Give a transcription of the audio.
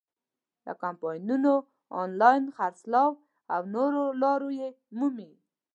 له کمپاینونو، آنلاین خرڅلاو او نورو لارو یې مومي.